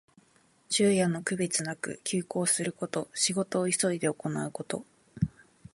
昼夜の区別なく急行すること。仕事を急いで行うこと。